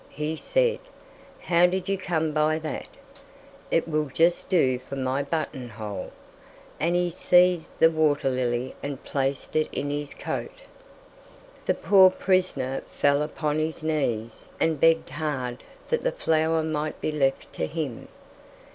he said, "how did you come by that; it will just do for my button hole." And he seized the water lily and placed it in his coat. The poor prisoner fell upon his knees and begged hard that the flower might be left to him.